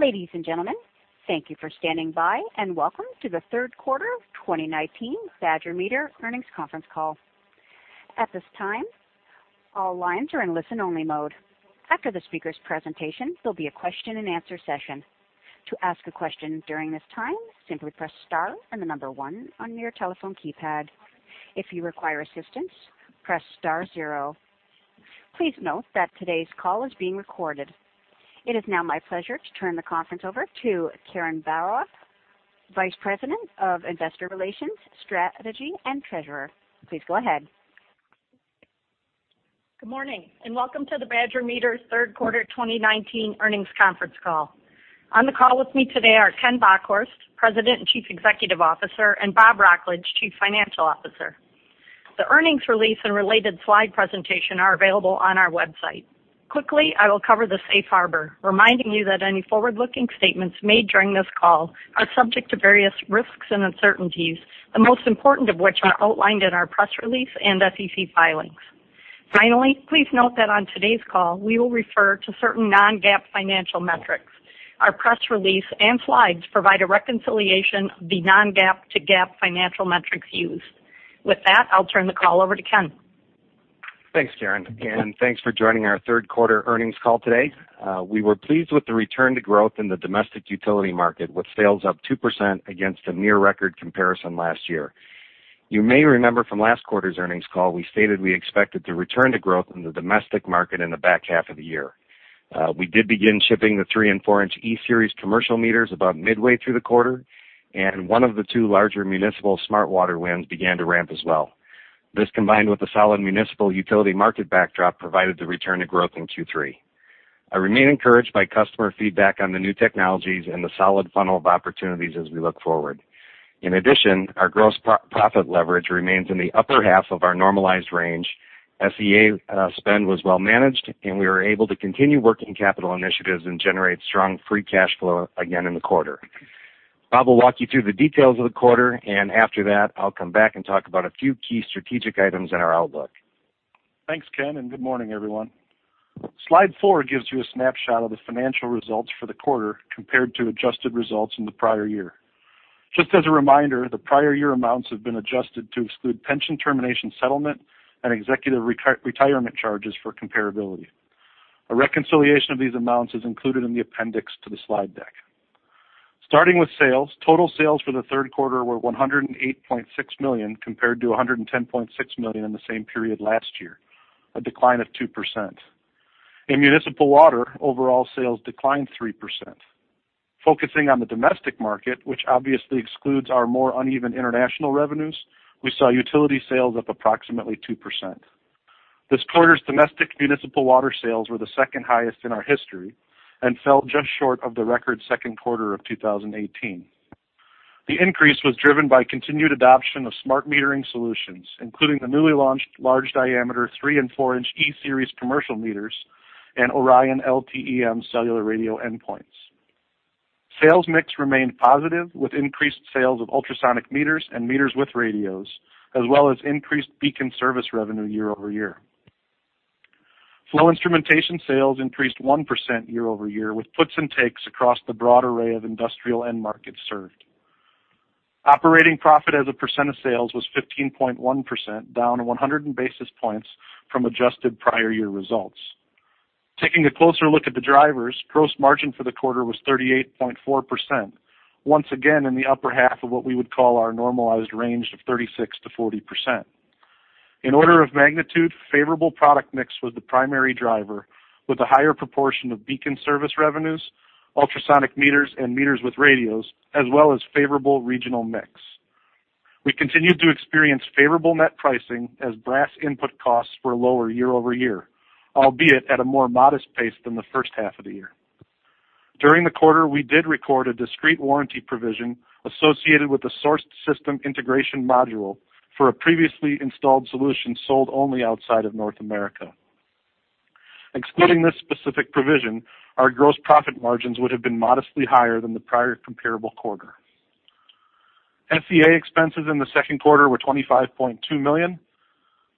Ladies and gentlemen, thank you for standing by, and welcome to the third quarter of 2019 Badger Meter Earnings Conference Call. At this time, all lines are in listen-only mode. After the speakers' presentation, there'll be a question and answer session. To ask a question during this time, simply press star and the number 1 on your telephone keypad. If you require assistance, press star zero. Please note that today's call is being recorded. It is now my pleasure to turn the conference over to Karen Bauer, Vice President of Investor Relations, Strategy, and Treasurer. Please go ahead. Good morning, and welcome to the Badger Meter third quarter 2019 earnings conference call. On the call with me today are Ken Bockhorst, President and Chief Executive Officer, and Bob Wrocklage, Chief Financial Officer. The earnings release and related slide presentation are available on our website. Quickly, I will cover the safe harbor, reminding you that any forward-looking statements made during this call are subject to various risks and uncertainties, the most important of which are outlined in our press release and SEC filings. Finally, please note that on today's call, we will refer to certain non-GAAP financial metrics. Our press release and slides provide a reconciliation of the non-GAAP to GAAP financial metrics used. With that, I'll turn the call over to Ken. Thanks, Karen. Thanks for joining our third quarter earnings call today. We were pleased with the return to growth in the domestic utility market, with sales up 2% against a near record comparison last year. You may remember from last quarter's earnings call, we stated we expected to return to growth in the domestic market in the back half of the year. We did begin shipping the three and four-inch E-Series commercial meters about midway through the quarter. One of the two larger municipal smart water wins began to ramp as well. This, combined with a solid municipal utility market backdrop, provided the return to growth in Q3. I remain encouraged by customer feedback on the new technologies and the solid funnel of opportunities as we look forward. In addition, our gross profit leverage remains in the upper half of our normalized range. SG&A spend was well managed, we were able to continue working capital initiatives and generate strong free cash flow again in the quarter. Bob will walk you through the details of the quarter, after that, I'll come back and talk about a few key strategic items in our outlook. Thanks, Ken, and good morning, everyone. Slide four gives you a snapshot of the financial results for the quarter compared to adjusted results in the prior year. Just as a reminder, the prior year amounts have been adjusted to exclude pension termination settlement and executive retirement charges for comparability. A reconciliation of these amounts is included in the appendix to the slide deck. Starting with sales, total sales for the third quarter were $108.6 million, compared to $110.6 million in the same period last year, a decline of 2%. In municipal water, overall sales declined 3%. Focusing on the domestic market, which obviously excludes our more uneven international revenues, we saw utility sales up approximately 2%. This quarter's domestic municipal water sales were the second highest in our history and fell just short of the record second quarter of 2018. The increase was driven by continued adoption of smart metering solutions, including the newly launched large diameter three and four-inch E-Series commercial meters and ORION LTE-M cellular radio endpoints. Sales mix remained positive with increased sales of ultrasonic meters and meters with radios, as well as increased BEACON service revenue year-over-year. Flow instrumentation sales increased 1% year-over-year, with puts and takes across the broad array of industrial end markets served. Operating profit as a percent of sales was 15.1%, down 100 basis points from adjusted prior year results. Taking a closer look at the drivers, gross margin for the quarter was 38.4%, once again in the upper half of what we would call our normalized range of 36%-40%. In order of magnitude, favorable product mix was the primary driver, with a higher proportion of BEACON service revenues, ultrasonic meters, and meters with radios, as well as favorable regional mix. We continued to experience favorable net pricing as brass input costs were lower year-over-year, albeit at a more modest pace than the first half of the year. During the quarter, we did record a discrete warranty provision associated with the sourced system integration module for a previously installed solution sold only outside of North America. Excluding this specific provision, our gross profit margins would have been modestly higher than the prior comparable quarter. SG&A expenses in the second quarter were $25.2 million,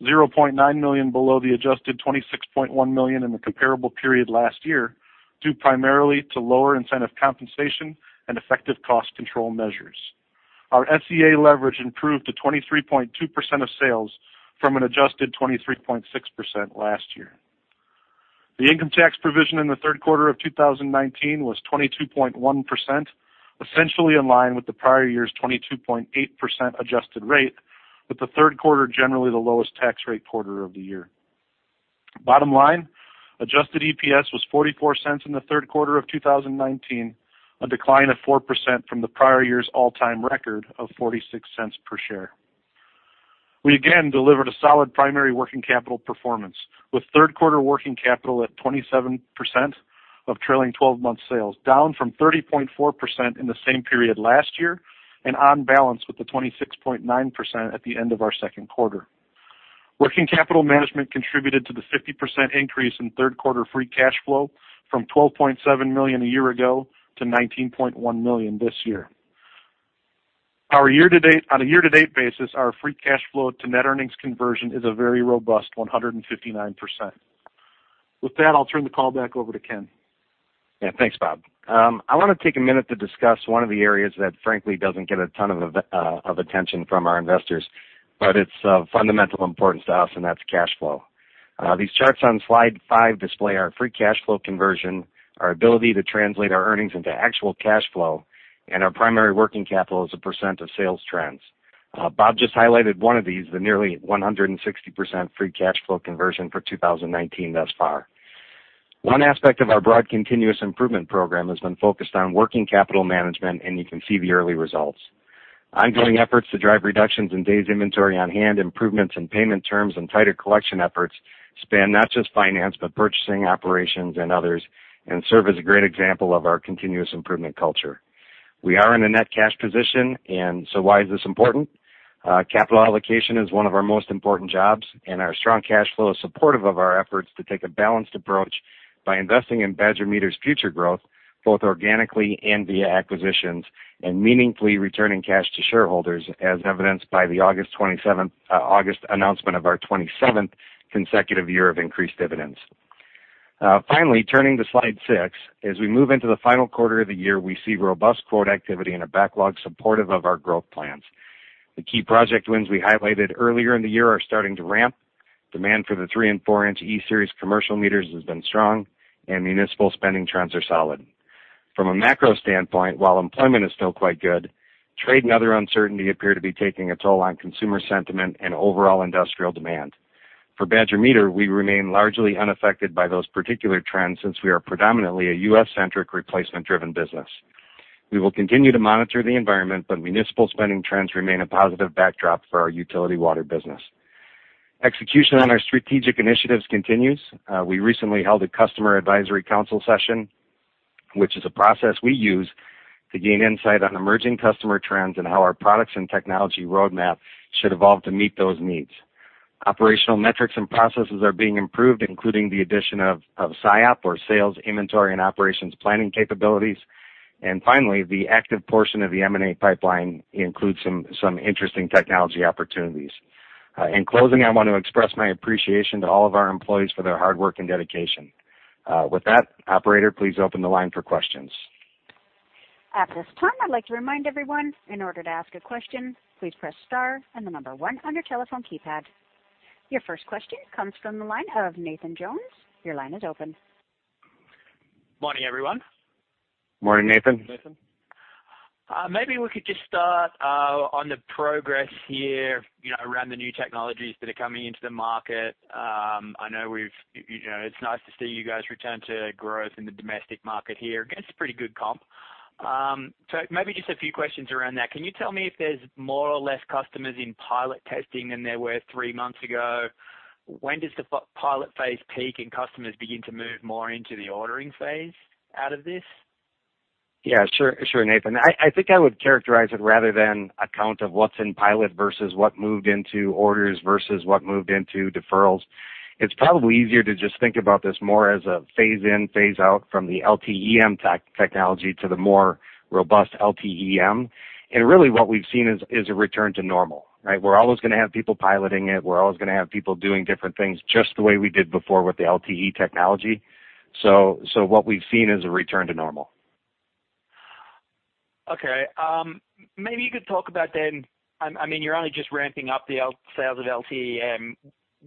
$0.9 million below the adjusted $26.1 million in the comparable period last year, due primarily to lower incentive compensation and effective cost control measures. Our SG&A leverage improved to 23.2% of sales from an adjusted 23.6% last year. The income tax provision in the third quarter of 2019 was 22.1%, essentially in line with the prior year's 22.8% adjusted rate, with the third quarter generally the lowest tax rate quarter of the year. Bottom line, adjusted EPS was $0.44 in the third quarter of 2019, a decline of 4% from the prior year's all-time record of $0.46 per share. We again delivered a solid primary working capital performance, with third quarter working capital at 27% of trailing 12-month sales, down from 30.4% in the same period last year and on balance with the 26.9% at the end of our second quarter. Working capital management contributed to the 50% increase in third quarter free cash flow from $12.7 million a year ago to $19.1 million this year. On a year-to-date basis, our free cash flow to net earnings conversion is a very robust 159%. With that, I'll turn the call back over to Ken. Yeah. Thanks, Bob. I want to take a minute to discuss one of the areas that frankly doesn't get a ton of attention from our investors, but it's of fundamental importance to us, and that's cash flow. These charts on slide five display our free cash flow conversion, our ability to translate our earnings into actual cash flow, and our primary working capital as a % of sales trends. Bob just highlighted one of these, the nearly 160% free cash flow conversion for 2019 thus far. One aspect of our broad continuous improvement program has been focused on working capital management, and you can see the early results. Ongoing efforts to drive reductions in days inventory on hand, improvements in payment terms, and tighter collection efforts span not just finance, but purchasing, operations, and others, and serve as a great example of our continuous improvement culture. We are in a net cash position. Why is this important? Capital allocation is one of our most important jobs, and our strong cash flow is supportive of our efforts to take a balanced approach by investing in Badger Meter's future growth, both organically and via acquisitions, and meaningfully returning cash to shareholders, as evidenced by the August announcement of our 27th consecutive year of increased dividends. Finally, turning to slide six. As we move into the final quarter of the year, we see robust quote activity and a backlog supportive of our growth plans. The key project wins we highlighted earlier in the year are starting to ramp. Demand for the three and four-inch E-Series commercial meters has been strong, and municipal spending trends are solid. From a macro standpoint, while employment is still quite good, trade and other uncertainty appear to be taking a toll on consumer sentiment and overall industrial demand. For Badger Meter, we remain largely unaffected by those particular trends since we are predominantly a U.S.-centric, replacement-driven business. We will continue to monitor the environment, but municipal spending trends remain a positive backdrop for our utility water business. Execution on our strategic initiatives continues. We recently held a customer advisory council session, which is a process we use to gain insight on emerging customer trends and how our products and technology roadmap should evolve to meet those needs. Operational metrics and processes are being improved, including the addition of SIOP, or sales, inventory, and operations planning capabilities. Finally, the active portion of the M&A pipeline includes some interesting technology opportunities. In closing, I want to express my appreciation to all of our employees for their hard work and dedication. With that, operator, please open the line for questions. At this time, I'd like to remind everyone, in order to ask a question, please press star and the number one on your telephone keypad. Your first question comes from the line of Nathan Jones. Your line is open. Morning, everyone. Morning, Nathan. Maybe we could just start on the progress here around the new technologies that are coming into the market. It's nice to see you guys return to growth in the domestic market here against a pretty good comp. Maybe just a few questions around that. Can you tell me if there's more or less customers in pilot testing than there were three months ago? When does the pilot phase peak and customers begin to move more into the ordering phase out of this? Yeah, sure, Nathan. I think I would characterize it rather than a count of what's in pilot versus what moved into orders versus what moved into deferrals. It's probably easier to just think about this more as a phase in, phase out from the LTE-M technology to the more robust LTE-M. Really what we've seen is a return to normal, right? We're always going to have people piloting it. We're always going to have people doing different things, just the way we did before with the LTE technology. What we've seen is a return to normal. Maybe you could talk about then, you're only just ramping up the sales of LTE-M.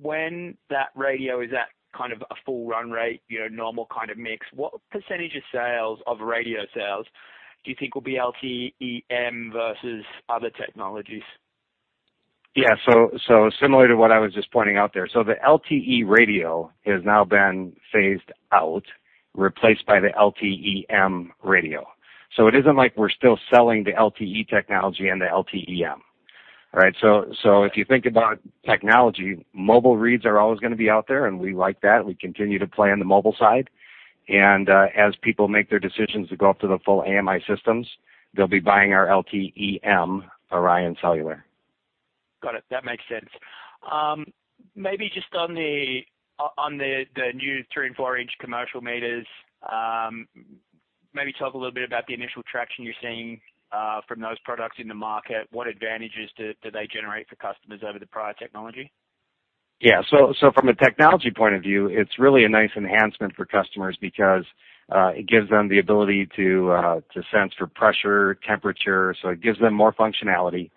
When that radio is at kind of a full run rate, normal kind of mix, what percentage of radio sales do you think will be LTE-M versus other technologies? Yeah. Similar to what I was just pointing out there. The LTE radio has now been phased out, replaced by the LTE-M radio. It isn't like we're still selling the LTE technology and the LTE-M. Right? If you think about technology, mobile reads are always going to be out there, and we like that. We continue to play on the mobile side. As people make their decisions to go up to the full AMI systems, they'll be buying our LTE-M ORION Cellular. Got it. That makes sense. Maybe just on the new three- and four-inch commercial meters, maybe talk a little bit about the initial traction you're seeing from those products in the market. What advantages do they generate for customers over the prior technology? From a technology point of view, it's really a nice enhancement for customers because it gives them the ability to sense for pressure, temperature, so it gives them more functionality.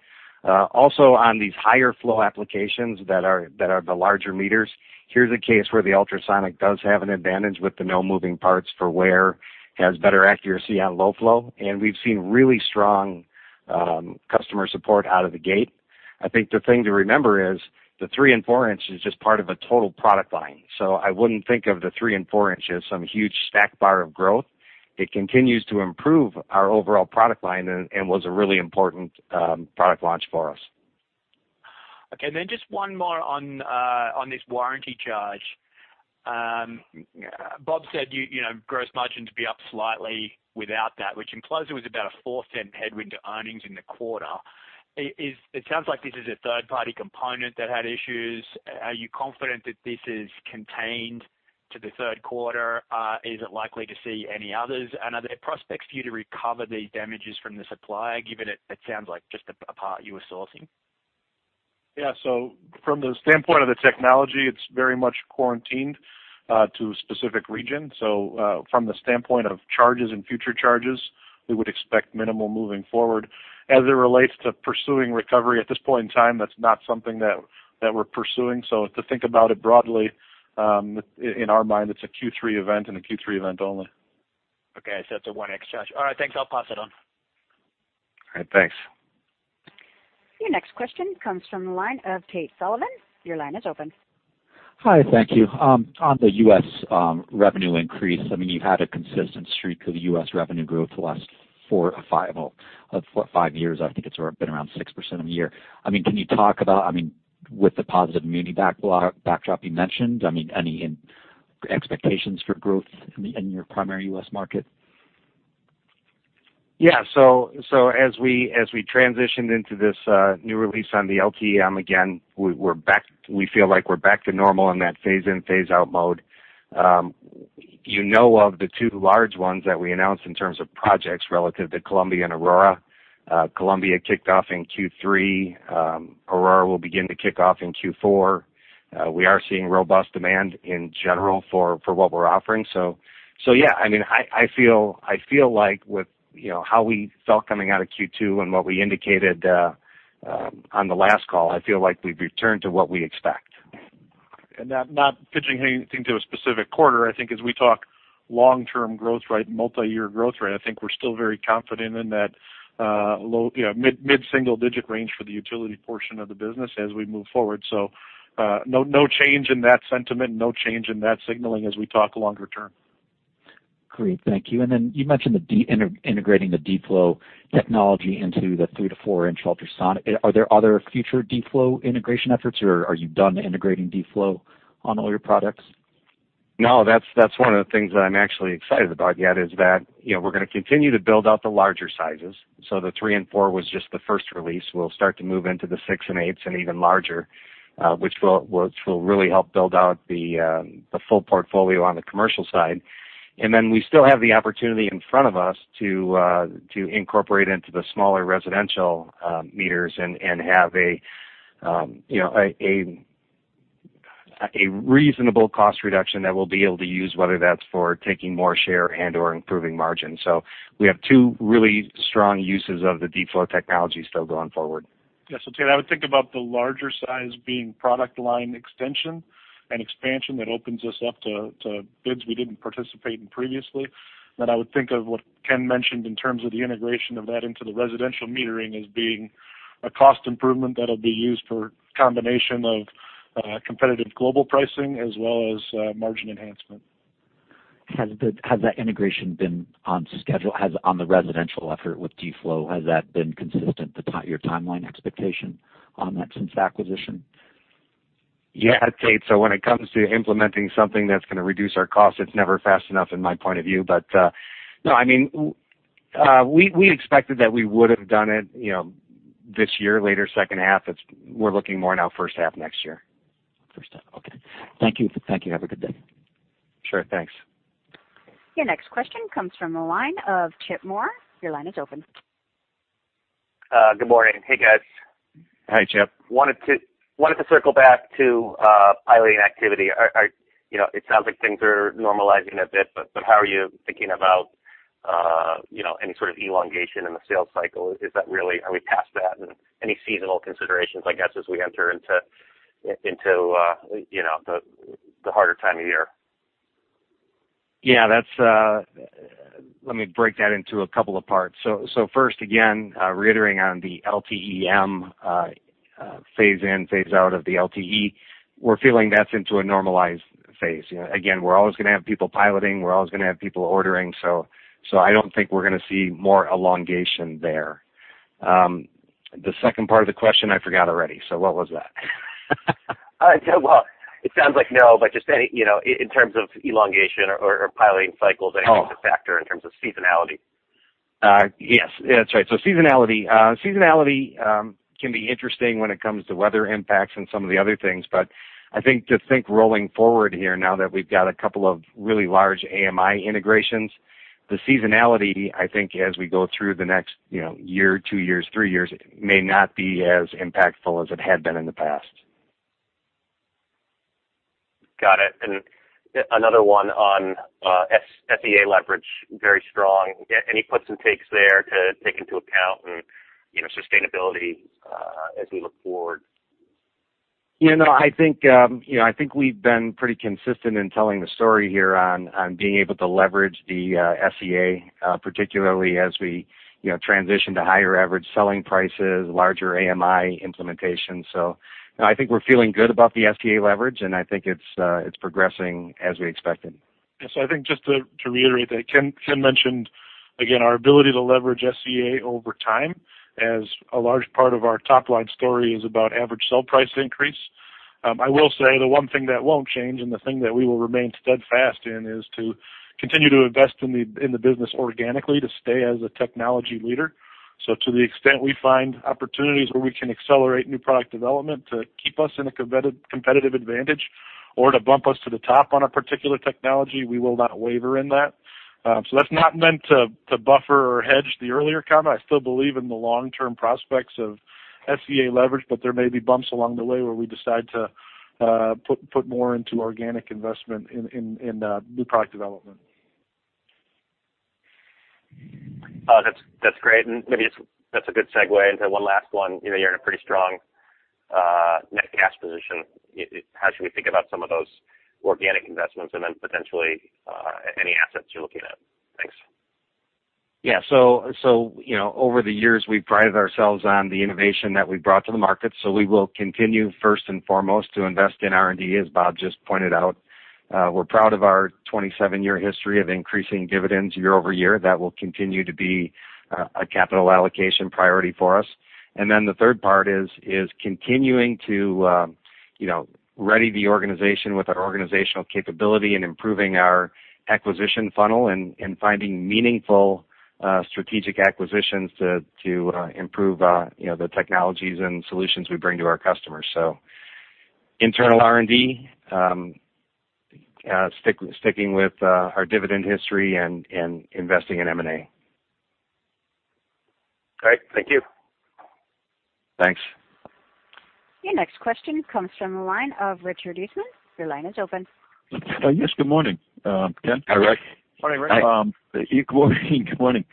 Also, on these higher flow applications that are the larger meters, here's a case where the ultrasonic does have an advantage with the no moving parts for wear, has better accuracy on low flow, and we've seen really strong customer support out of the gate. I think the thing to remember is the three- and four-inch is just part of a total product line. I wouldn't think of the three and four-inch as some huge stack bar of growth. It continues to improve our overall product line and was a really important product launch for us. Just one more on this warranty charge. Bob said gross margins would be up slightly without that, which in closing was about a $0.04 headwind to earnings in the quarter. It sounds like this is a third-party component that had issues. Are you confident that this is contained? To the third quarter, is it likely to see any others? Are there prospects for you to recover the damages from the supplier, given it sounds like just a part you were sourcing? From the standpoint of the technology, it's very much quarantined to a specific region. From the standpoint of charges and future charges, we would expect minimal moving forward. As it relates to pursuing recovery, at this point in time, that's not something that we're pursuing. To think about it broadly, in our mind, it's a Q3 event and a Q3 event only. Okay. It's a 1x charge. All right, thanks. I'll pass it on. All right, thanks. Your next question comes from the line of Tate Sullivan. Your line is open. Hi, thank you. On the U.S. revenue increase, you've had a consistent streak of U.S. revenue growth the last four or five years. I think it's been around 6% a year. Can you talk about, with the positive municipal backdrop you mentioned, any expectations for growth in your primary U.S. market? Yeah. As we transitioned into this new release on the LTE-M, again, we feel like we're back to normal in that phase in, phase out mode. You know of the two large ones that we announced in terms of projects relative to Columbia and Aurora. Columbia kicked off in Q3. Aurora will begin to kick off in Q4. We are seeing robust demand in general for what we're offering. Yeah, I feel like with how we felt coming out of Q2 and what we indicated on the last call, I feel like we've returned to what we expect. Not pitching anything to a specific quarter, I think as we talk long-term growth rate and multi-year growth rate, I think we're still very confident in that mid-single digit range for the utility portion of the business as we move forward. No change in that sentiment, no change in that signaling as we talk longer term. Great, thank you. You mentioned integrating the D-Flow Technology into the three to four-inch ultrasonic. Are there other future D-Flow integration efforts, or are you done integrating D-Flow on all your products? That's one of the things that I'm actually excited about, is that we're going to continue to build out the larger sizes. The 3 and 4 was just the first release. We'll start to move into the 6 and 8s and even larger, which will really help build out the full portfolio on the commercial side. We still have the opportunity in front of us to incorporate into the smaller residential meters and have a reasonable cost reduction that we'll be able to use, whether that's for taking more share and/or improving margin. We have two really strong uses of the D-Flow Technology still going forward. Yeah. Tate, I would think about the larger size being product line extension, an expansion that opens us up to bids we didn't participate in previously. I would think of what Ken mentioned in terms of the integration of that into the residential metering as being a cost improvement that'll be used for combination of competitive global pricing as well as margin enhancement. Has that integration been on schedule, on the residential effort with D-Flow, has that been consistent with your timeline expectation on that since acquisition? Yeah. Tate, when it comes to implementing something that's going to reduce our cost, it's never fast enough in my point of view. We expected that we would have done it this year, later second half. We're looking more now first half next year. First half. Okay. Thank you. Have a good day. Sure. Thanks. Your next question comes from the line of Chip Moore. Your line is open. Good morning. Hey, guys. Hi, Chip. Wanted to circle back to piloting activity. It sounds like things are normalizing a bit, but how are you thinking about any sort of elongation in the sales cycle? Are we past that? Any seasonal considerations, I guess, as we enter into the harder time of year? Yeah. Let me break that into a couple of parts. First, again, reiterating on the LTE-M phase in, phase out of the LTE, we're feeling that's into a normalized phase. Again, we're always going to have people piloting, we're always going to have people ordering. I don't think we're going to see more elongation there. The second part of the question I forgot already. What was that? Well, it sounds like no, but just in terms of elongation or piloting cycles, anything to factor in terms of seasonality? Yes, that's right. Seasonality can be interesting when it comes to weather impacts and some of the other things, but I think to think rolling forward here now that we've got a couple of really large AMI integrations, the seasonality, I think as we go through the next year, two years, three years, may not be as impactful as it had been in the past. Got it. Another one on SG&A leverage, very strong. Any puts and takes there to take into account and sustainability as we look forward? I think we've been pretty consistent in telling the story here on being able to leverage the FEA, particularly as we transition to higher average selling prices, larger AMI implementation. I think we're feeling good about the FEA leverage, and I think it's progressing as we expected. Yeah. I think just to reiterate that, Ken mentioned, again, our ability to leverage SG&A over time as a large part of our top-line story is about average sell price increase. I will say the one thing that won't change and the thing that we will remain steadfast in is to continue to invest in the business organically, to stay as a technology leader. To the extent we find opportunities where we can accelerate new product development to keep us in a competitive advantage or to bump us to the top on a particular technology, we will not waver in that. That's not meant to buffer or hedge the earlier comment. I still believe in the long-term prospects of SG&A leverage, there may be bumps along the way where we decide to put more into organic investment in new product development. That's great. Maybe that's a good segue into one last one. You're in a pretty strong net cash position. How should we think about some of those organic investments and then potentially, any assets you're looking at? Thanks. Yeah. Over the years, we've prided ourselves on the innovation that we've brought to the market. We will continue first and foremost to invest in R&D, as Bob just pointed out. We're proud of our 27-year history of increasing dividends year-over-year. That will continue to be a capital allocation priority for us. The third part is continuing to ready the organization with our organizational capability and improving our acquisition funnel, and finding meaningful strategic acquisitions to improve the technologies and solutions we bring to our customers. Internal R&D, sticking with our dividend history and investing in M&A. Great. Thank you. Thanks. Your next question comes from the line of Richard Eastman. Your line is open. Yes. Good morning, Ken. Hi, Rick. Morning, Rick. Good morning,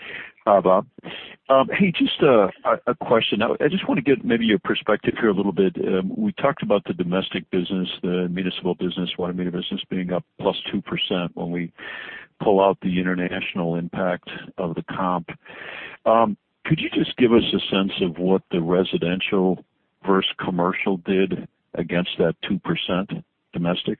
Bob. Hey, just a question. I just want to get maybe your perspective here a little bit. We talked about the domestic business, the municipal business, water meter business being up plus 2% when we pull out the international impact of the comp. Could you just give us a sense of what the residential versus commercial did against that 2% domestic?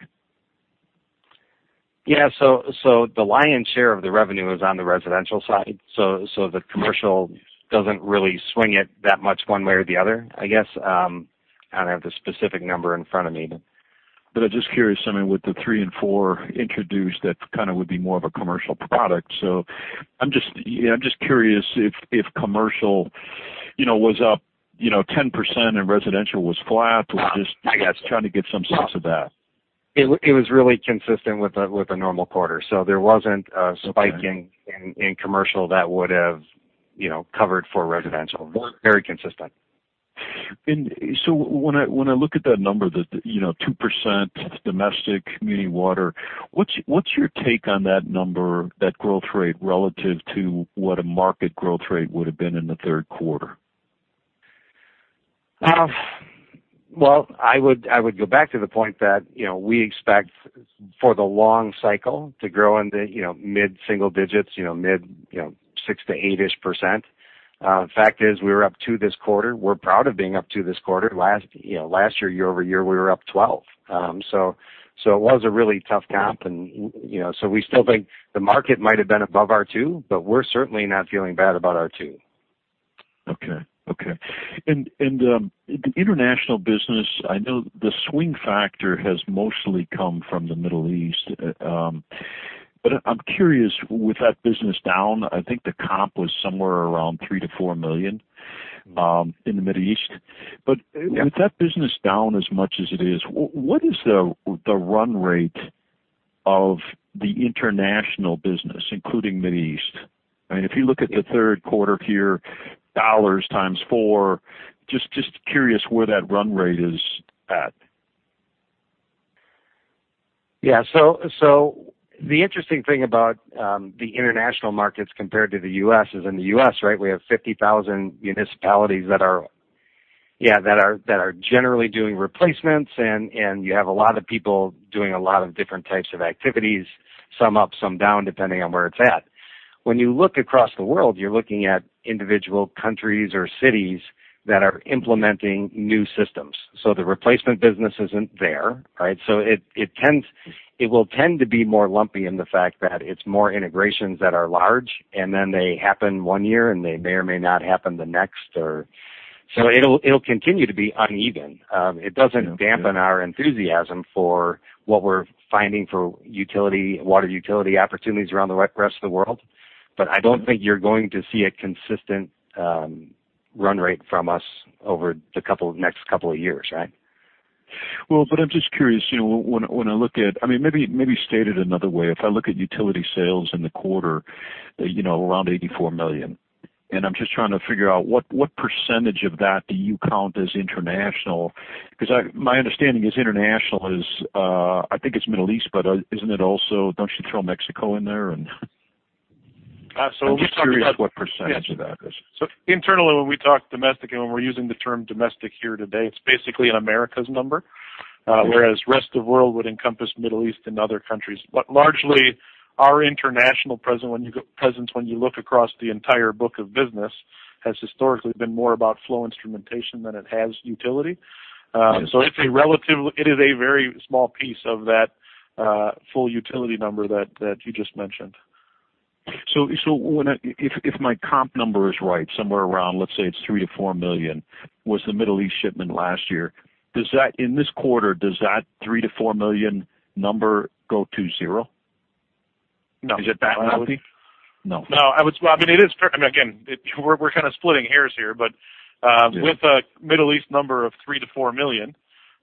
The lion's share of the revenue is on the residential side. The commercial doesn't really swing it that much one way or the other, I guess. I don't have the specific number in front of me. I'm just curious, I mean, with the 3 and 4 introduced, that kind of would be more of a commercial product. I'm just curious if commercial was up 10% and residential was flat. I got you. Trying to get some sense of that. It was really consistent with a normal quarter, so there wasn't a spike. Okay in commercial that would have covered for residential. Very consistent. When I look at that number, the 2% domestic community water, what's your take on that number, that growth rate, relative to what a market growth rate would've been in the third quarter? Well, I would go back to the point that we expect for the long cycle to grow into mid-single digits, mid 6% to 8%-ish. Fact is, we were up 2% this quarter. We're proud of being up 2% this quarter. Last year-over-year, we were up 12%. It was a really tough comp. We still think the market might've been above our 2%, but we're certainly not feeling bad about our 2%. Okay. The international business, I know the swing factor has mostly come from the Middle East. I'm curious, with that business down, I think the comp was somewhere around $3 million-$4 million in the Middle East. Yeah with that business down as much as it is, what is the run rate of the international business, including Middle East? I mean, if you look at the third quarter here, $ times four, just curious where that run rate is at. Yeah. The interesting thing about the international markets compared to the U.S. is in the U.S., right, we have 50,000 municipalities that are generally doing replacements, and you have a lot of people doing a lot of different types of activities, some up, some down, depending on where it's at. When you look across the world, you're looking at individual countries or cities that are implementing new systems. The replacement business isn't there, right? It will tend to be more lumpy in the fact that it's more integrations that are large, and then they happen one year, and they may or may not happen the next. It'll continue to be uneven. It doesn't dampen our enthusiasm for what we're finding for water utility opportunities around the rest of the world, but I don't think you're going to see a consistent run rate from us over the next couple of years, right? I'm just curious. I mean, maybe stated another way. If I look at utility sales in the quarter, around $84 million, I'm just trying to figure out what percentage of that do you count as international? My understanding is international is, I think it's Middle East, isn't it also, don't you throw Mexico in there, I'm just curious what percentage of that is. Internally, when we talk domestic and when we're using the term domestic here today, it's basically an Americas number. Okay. Whereas rest of world would encompass Middle East and other countries. Largely, our international presence, when you look across the entire book of business, has historically been more about flow instrumentation than it has utility. It is a very small piece of that full utility number that you just mentioned. If my comp number is right, somewhere around, let's say it's $3 million-$4 million, was the Middle East shipment last year. In this quarter, does that $3 million-$4 million number go to zero? No. Is it that low? No. No. Again, we're kind of splitting hairs here. Yeah with a Middle East number of $3 million-$4 million,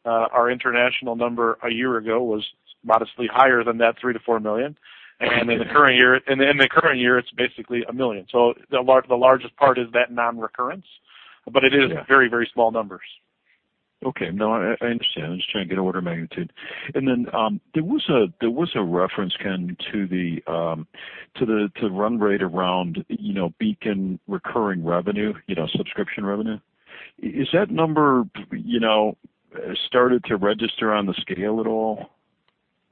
our international number a year ago was modestly higher than that $3 million-$4 million. In the current year, it's basically $1 million. The largest part is that non-recurrence, but it is. Yeah very small numbers. Okay. No, I understand. I'm just trying to get order of magnitude. There was a reference, Ken, to run rate around BEACON recurring revenue, subscription revenue. Has that number started to register on the scale at all?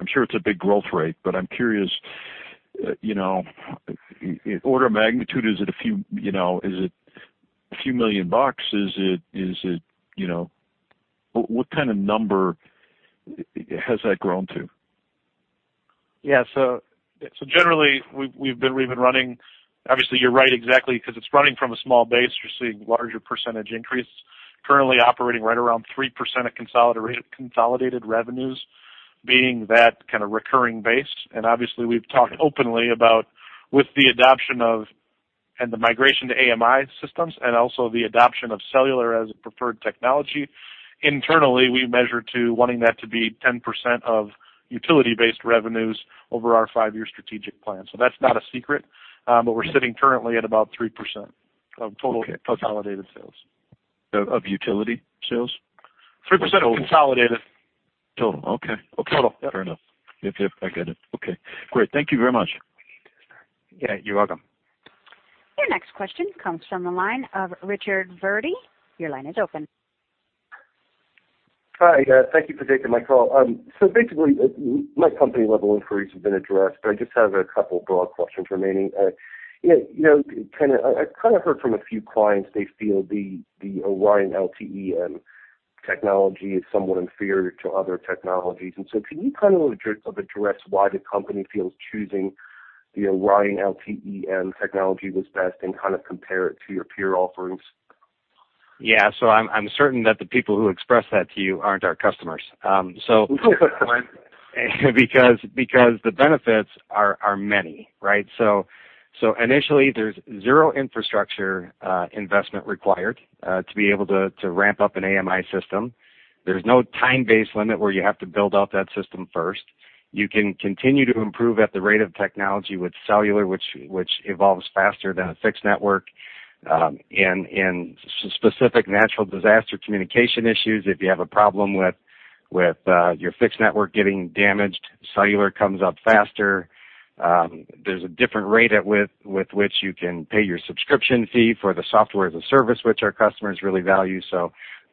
I'm sure it's a big growth rate, I'm curious, order of magnitude, is it a few million $? What kind of number has that grown to? Yeah. Generally, we've been running. Obviously, you're right, exactly, because it's running from a small base, you're seeing larger percentage increase. Currently operating right around 3% of consolidated revenues being that kind of recurring base. Obviously, we've talked openly about with the adoption of and the migration to AMI systems and also the adoption of cellular as a preferred technology. Internally, we measure to wanting that to be 10% of utility-based revenues over our five-year strategic plan. That's not a secret. We're sitting currently at about 3%. Okay consolidated sales. Of utility sales? 3% of consolidated. Total. Okay. Total. Yep. Fair enough. Yep. I get it. Okay, great. Thank you very much. Yeah. You're welcome. Your next question comes from the line of Richard Verdi. Your line is open. Hi. Thank you for taking my call. Basically, my company-level inquiries have been addressed, but I just have a couple broad questions remaining. Ken, I kind of heard from a few clients, they feel the ORION LTE-M technology is somewhat inferior to other technologies. Can you kind of address why the company feels choosing the ORION LTE-M technology was best and kind of compare it to your peer offerings? Yeah. I'm certain that the people who expressed that to you aren't our customers. The benefits are many, right? Initially, there's zero infrastructure investment required to be able to ramp up an AMI system. There's no time-based limit where you have to build out that system first. You can continue to improve at the rate of technology with cellular, which evolves faster than a fixed network. In specific natural disaster communication issues, if you have a problem with your fixed network getting damaged, cellular comes up faster. There's a different rate at with which you can pay your subscription fee for the software as a service, which our customers really value.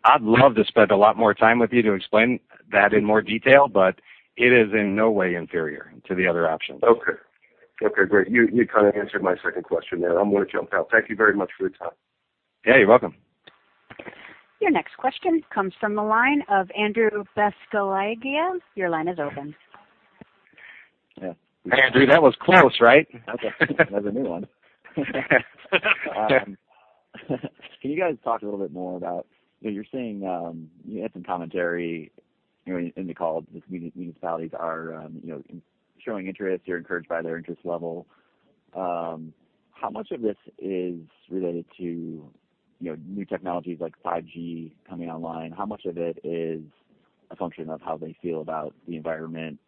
I'd love to spend a lot more time with you to explain that in more detail, but it is in no way inferior to the other options. Okay. Great. You kind of answered my second question there. I'm going to jump out. Thank you very much for your time. Yeah. You're welcome. Your next question comes from the line of Andrew Buscaglia. Your line is open. Yeah. Andrew, that was close, right? That was a new one. Can you guys talk a little bit more about what you're seeing? You had some commentary in the call that the municipalities are showing interest. You're encouraged by their interest level. How much of this is related to new technologies like 5G coming online? How much of it is a function of how they feel about the environment?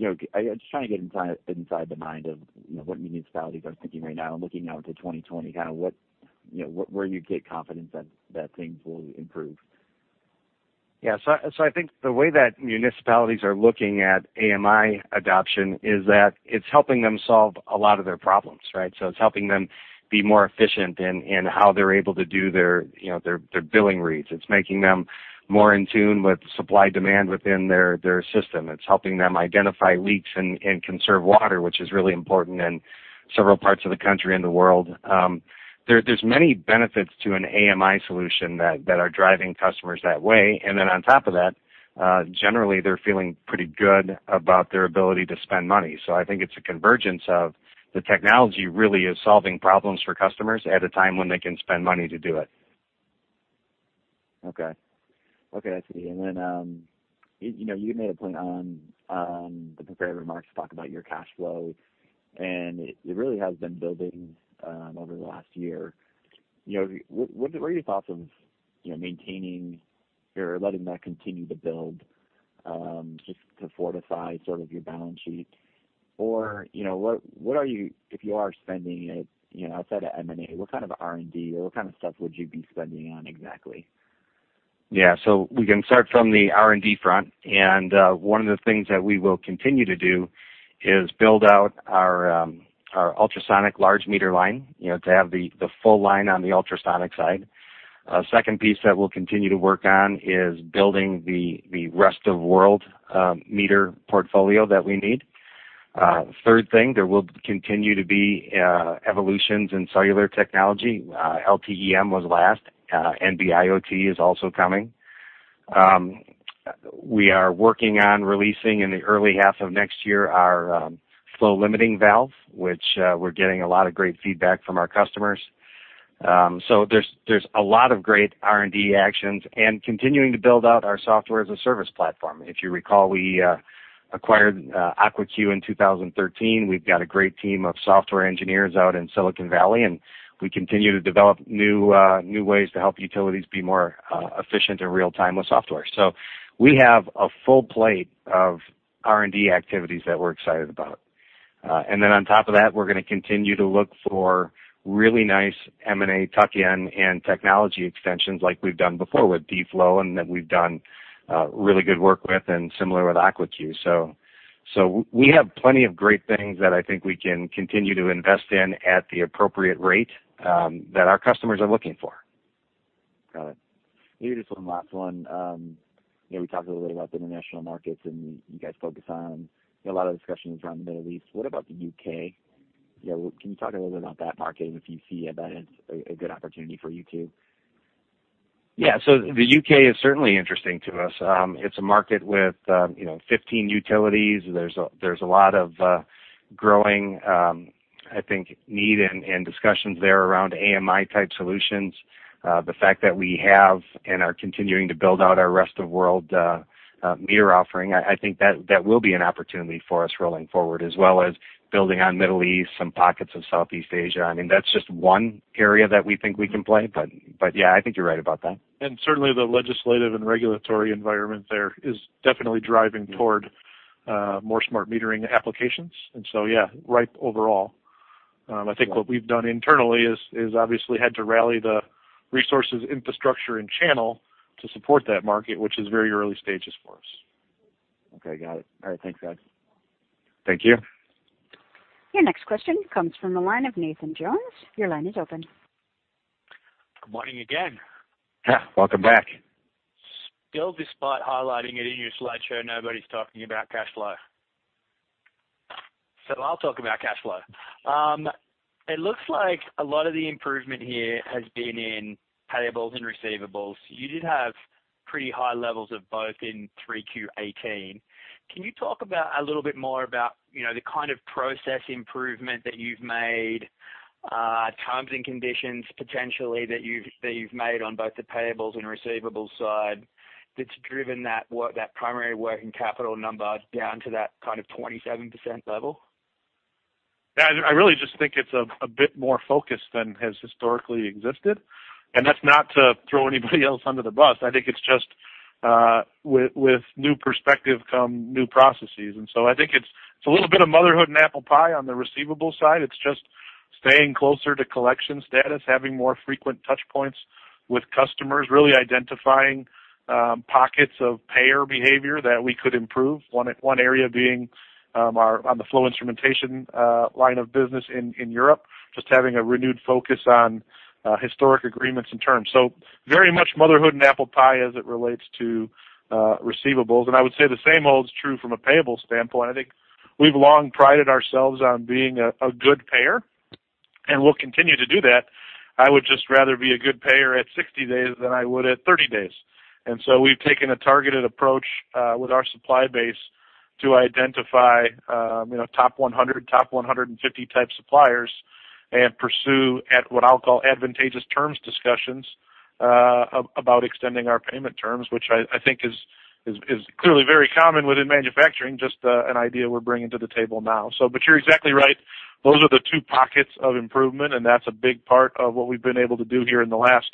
I'm just trying to get inside the mind of what municipalities are thinking right now, looking out to 2020, kind of where you get confidence that things will improve. Yeah. I think the way that municipalities are looking at AMI adoption is that it's helping them solve a lot of their problems, right? It's helping them be more efficient in how they're able to do their billing reads. It's making them more in tune with supply-demand within their system. It's helping them identify leaks and conserve water, which is really important in several parts of the country and the world. There's many benefits to an AMI solution that are driving customers that way. On top of that, generally, they're feeling pretty good about their ability to spend money. I think it's a convergence of the technology really is solving problems for customers at a time when they can spend money to do it. Okay. I see. You made a point in the prepared remarks to talk about your cash flow, and it really has been building over the last year. What are your thoughts on maintaining or letting that continue to build, just to fortify sort of your balance sheet? If you are spending it outside of M&A, what kind of R&D or what kind of stuff would you be spending on exactly? Yeah. We can start from the R&D front. One of the things that we will continue to do is build out our ultrasonic large meter line, to have the full line on the ultrasonic side. Second piece that we'll continue to work on is building the rest-of-world meter portfolio that we need. Third thing, there will continue to be evolutions in cellular technology. LTE-M was last. NB-IoT is also coming. We are working on releasing in the early half of next year our flow-limiting valve, which we're getting a lot of great feedback from our customers. There's a lot of great R&D actions and continuing to build out our software-as-a-service platform. If you recall, we acquired Aquacue in 2013. We've got a great team of software engineers out in Silicon Valley, we continue to develop new ways to help utilities be more efficient in real time with software. We have a full plate of R&D activities that we're excited about. On top of that, we're going to continue to look for really nice M&A tuck-in and technology extensions like we've done before with D-Flow and that we've done really good work with and similar with Aquacue. We have plenty of great things that I think we can continue to invest in at the appropriate rate, that our customers are looking for. Got it. Maybe just one last one. We talked a little bit about the international markets, and you guys focus on a lot of discussions around the Middle East. What about the U.K.? Can you talk a little bit about that market and if you see that as a good opportunity for you too? The U.K. is certainly interesting to us. It's a market with 15 utilities. There's a lot of growing, I think, need and discussions there around AMI-type solutions. The fact that we have and are continuing to build out our rest-of-world meter offering, I think that will be an opportunity for us rolling forward, as well as building on Middle East, some pockets of Southeast Asia. That's just one area that we think we can play, I think you're right about that. Certainly the legislative and regulatory environment there is definitely driving toward more smart metering applications. Yeah, ripe overall. I think what we've done internally is obviously had to rally the resources, infrastructure, and channel to support that market, which is very early stages for us. Okay, got it. All right, thanks, guys. Thank you. Your next question comes from the line of Nathan Jones. Your line is open. Good morning again. Welcome back. Still, despite highlighting it in your slideshow, nobody's talking about cash flow. I'll talk about cash flow. It looks like a lot of the improvement here has been in payables and receivables. You did have pretty high levels of both in 3Q 2018. Can you talk a little bit more about the kind of process improvement that you've made, terms and conditions potentially that you've made on both the payables and receivables side that's driven that primary working capital number down to that kind of 27% level? Yeah, I really just think it's a bit more focused than has historically existed, and that's not to throw anybody else under the bus. I think it's just with new perspective come new processes. I think it's a little bit of motherhood and apple pie on the receivables side. It's just staying closer to collection status, having more frequent touch points with customers, really identifying pockets of payer behavior that we could improve, one area being on the flow instrumentation line of business in Europe, just having a renewed focus on historic agreements and terms. Very much motherhood and apple pie as it relates to receivables, and I would say the same holds true from a payables standpoint. I think we've long prided ourselves on being a good payer, and we'll continue to do that. I would just rather be a good payer at 60 days than I would at 30 days. We've taken a targeted approach with our supply base to identify top 100, top 150 type suppliers and pursue at what I'll call advantageous terms discussions about extending our payment terms, which I think is clearly very common within manufacturing, just an idea we're bringing to the table now. You're exactly right. Those are the two pockets of improvement, and that's a big part of what we've been able to do here in the last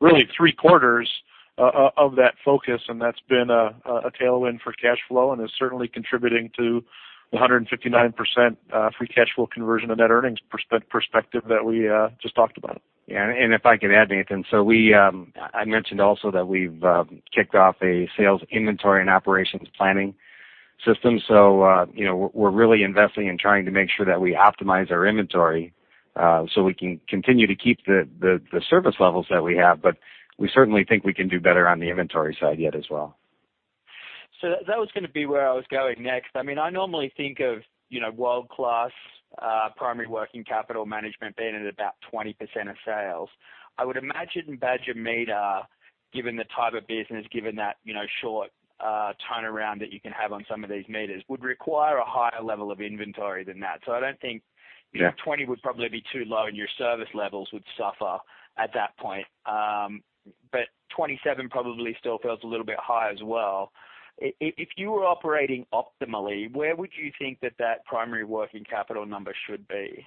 really three quarters of that focus, and that's been a tailwind for cash flow and is certainly contributing to the 159% free cash flow conversion to net earnings perspective that we just talked about. Yeah. If I could add, Nathan, I mentioned also that we've kicked off a sales inventory and operations planning system. We're really investing in trying to make sure that we optimize our inventory, so we can continue to keep the service levels that we have, but we certainly think we can do better on the inventory side yet as well. That was going to be where I was going next. I normally think of world-class primary working capital management being at about 20% of sales. I would imagine Badger Meter, given the type of business, given that short turnaround that you can have on some of these meters, would require a higher level of inventory than that. Yeah 20 would probably be too low and your service levels would suffer at that point. 27 probably still feels a little bit high as well. If you were operating optimally, where would you think that that primary working capital number should be?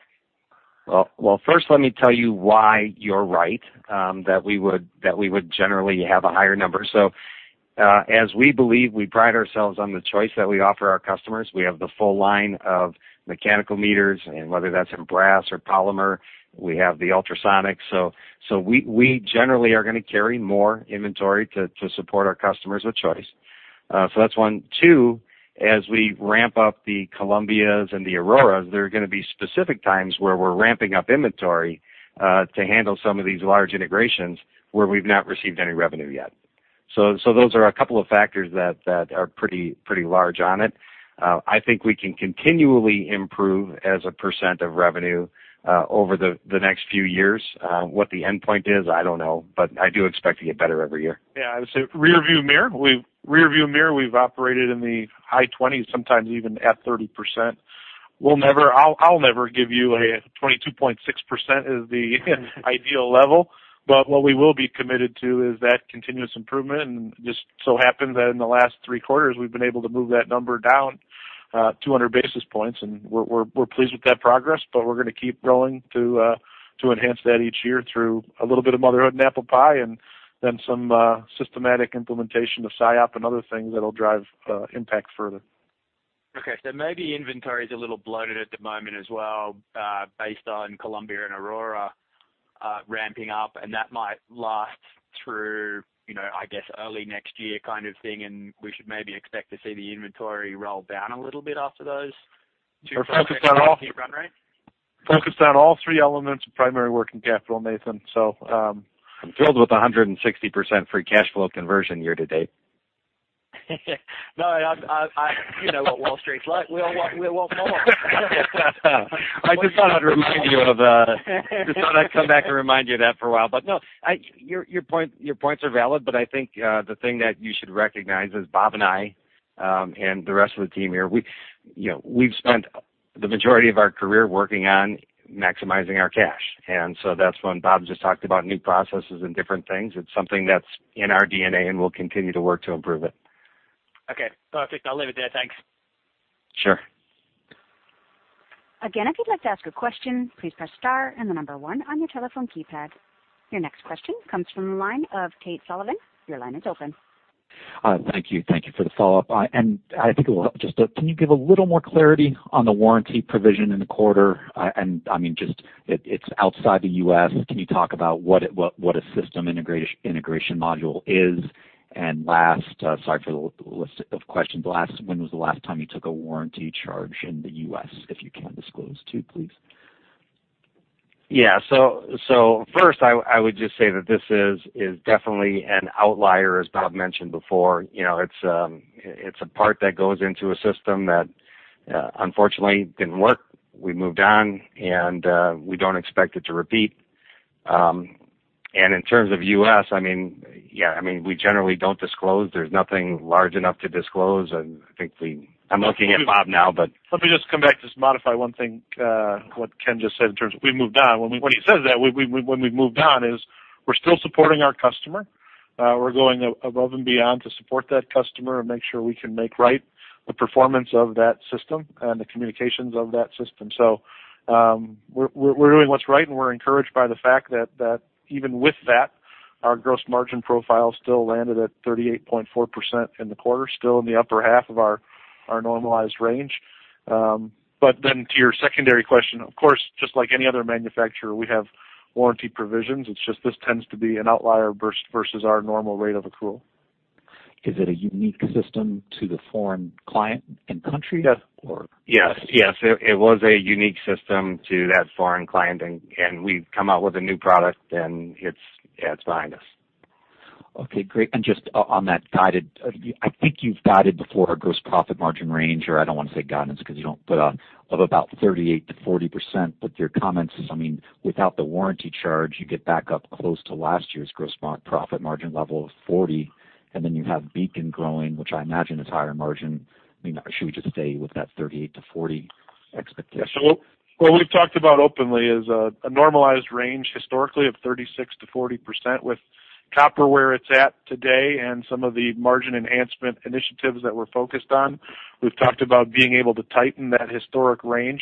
Well, first let me tell you why you're right, that we would generally have a higher number. As we believe, we pride ourselves on the choice that we offer our customers. We have the full line of mechanical meters, and whether that's in brass or polymer, we have the ultrasonic. We generally are going to carry more inventory to support our customers with choice. That's one. Two, as we ramp up the Columbias and the ORIONs, there are going to be specific times where we're ramping up inventory to handle some of these large integrations where we've not received any revenue yet. Those are a couple of factors that are pretty large on it. I think we can continually improve as a percent of revenue over the next few years. What the endpoint is, I don't know, but I do expect to get better every year. Yeah, I would say rearview mirror, we've operated in the high 20s, sometimes even at 30%. I'll never give you a 22.6% as the ideal level. What we will be committed to is that continuous improvement, and just so happens that in the last three quarters, we've been able to move that number down 200 basis points, and we're pleased with that progress. We're going to keep rolling to enhance that each year through a little bit of motherhood and apple pie and then some systematic implementation of SIOP and other things that'll drive impact further. Maybe inventory is a little bloated at the moment as well, based on Columbia and Aurora ramping up, and that might last through, I guess, early next year kind of thing, and we should maybe expect to see the inventory roll down a little bit after those two. We're focused on. run rate? Focused on all three elements of primary working capital, Nathan. I'm thrilled with the 160% free cash flow conversion year to date. No, you know what Wall Street's like. We all want more. Just thought I'd come back and remind you of that for a while. No, your points are valid, but I think the thing that you should recognize is Bob and I, and the rest of the team here, we've spent the majority of our career working on maximizing our cash. That's when Bob just talked about new processes and different things. It's something that's in our DNA, and we'll continue to work to improve it. Okay, perfect. I'll leave it there. Thanks. Sure. Again, if you'd like to ask a question, please press star and the number one on your telephone keypad. Your next question comes from the line of Tate Sullivan. Your line is open. Thank you. Thank you for the follow-up. I think it will help, just can you give a little more clarity on the warranty provision in the quarter? I mean, just it's outside the U.S. Can you talk about what a system integration module is? Last, sorry for the list of questions. Last, when was the last time you took a warranty charge in the U.S., if you can disclose too, please? First, I would just say that this is definitely an outlier, as Bob mentioned before. It's a part that goes into a system that unfortunately didn't work. We moved on, and we don't expect it to repeat. In terms of U.S., we generally don't disclose. There's nothing large enough to disclose. I'm looking at Bob now. Let me just come back, just modify one thing, what Ken just said in terms of we moved on. When he says that, when we've moved on is, we're still supporting our customer. We're going above and beyond to support that customer and make sure we can make right the performance of that system and the communications of that system. We're doing what's right, and we're encouraged by the fact that even with that, our gross margin profile still landed at 38.4% in the quarter, still in the upper half of our normalized range. To your secondary question, of course, just like any other manufacturer, we have warranty provisions. It's just, this tends to be an outlier versus our normal rate of accrual. Is it a unique system to the foreign client and country? Yes. Yes. It was a unique system to that foreign client, and we've come out with a new product, and it's behind us. Okay, great. Just on that guided, I think you've guided before gross profit margin range, or I don't want to say guidance because you don't put a, of about 38%-40%, but your comment is, I mean, without the warranty charge, you get back up close to last year's gross profit margin level of 40%, and then you have BEACON growing, which I imagine is higher margin. I mean, should we just stay with that 38%-40% expectation? What we've talked about openly is a normalized range historically of 36%-40%. With copper where it's at today and some of the margin enhancement initiatives that we're focused on, we've talked about being able to tighten that historic range.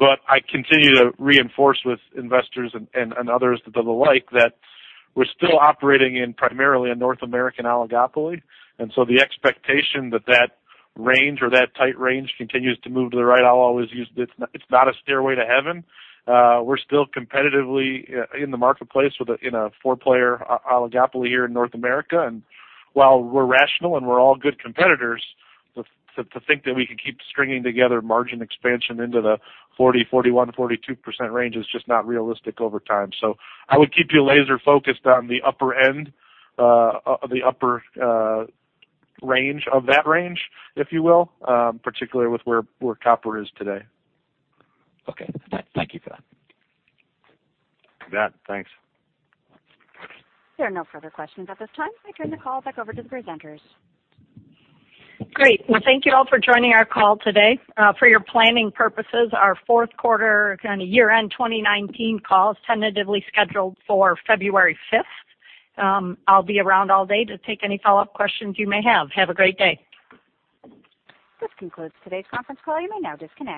I continue to reinforce with investors and others of the like that we're still operating in primarily a North American oligopoly. The expectation that that range or that tight range continues to move to the right, I'll always use this, it's not a stairway to heaven. We're still competitively in the marketplace in a four-player oligopoly here in North America. While we're rational and we're all good competitors, to think that we can keep stringing together margin expansion into the 40%, 41%, 42% range is just not realistic over time. I would keep you laser-focused on the upper end, the upper range of that range, if you will, particularly with where copper is today. Okay. Thank you for that. You bet. Thanks. There are no further questions at this time. I turn the call back over to the presenters. Great. Well, thank you all for joining our call today. For your planning purposes, our fourth quarter and year-end 2019 call is tentatively scheduled for February 5th. I'll be around all day to take any follow-up questions you may have. Have a great day. This concludes today's conference call. You may now disconnect.